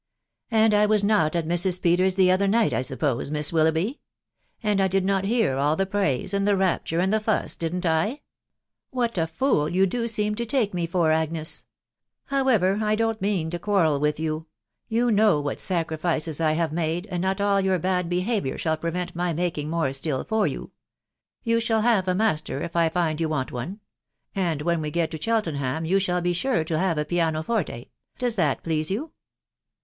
" And I was not at Mrs. Peters's the other night, I^uppoam, Jfiise WUloughby ?•..• and I did not hear t& && te ce THE WIDOW dBABNAJUT. S7& the rapture, and the fuss, didn't I ?.•.. What a fool you do seem to take me for, Agnes !.... However, I don't mean to quarrel with you .... Yon know what sacrifices I have made, and not all your had behaviour shall prevent my making more still for you. ..• You shall have a master, if I find you want one ; and when we get to Cheltenham, you shall he sure to have a piano forte. Does that please you